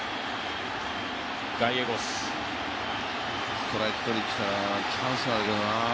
ストライクに来たらチャンスだけどな。